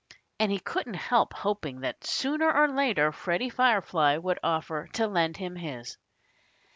And he couldn't help hoping that sooner or later Freddie Firefly would offer to lend him his.